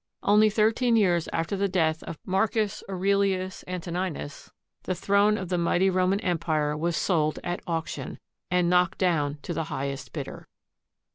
Only thirteen years after the death of Marcus Aurelius Antoninus, the throne of the mighty Roman Empire was sold at auction, and knocked down to the highest bidder.